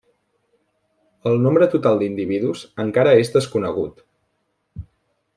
El nombre total d'individus encara és desconegut.